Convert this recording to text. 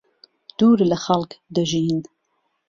دوور لەخەڵک دەژین.